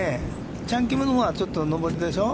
チャン・キムのほうがちょっと上りでしょう？